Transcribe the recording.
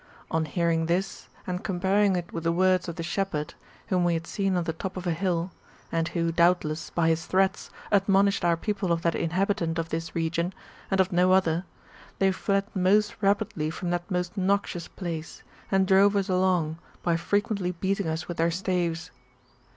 On hearing this, and comparing it with the words of the shepherd [whom we had seen on the top of a hill], and who, doubtless, by his threats, admonished our people of that inhabitant of this region, and of no other, they fled most rapidly from that most noxious place, and drove us along, by frequently beating us with their staves.